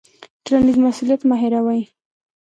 ټولنیز مسوولیت مه هیروئ.